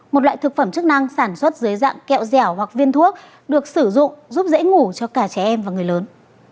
một loại thực phẩm chức năng sản xuất dưới dạng kẹo dẻo hoặc viên thuốc được sử dụng giúp dễ ngủ cho cả trẻ em và người lớn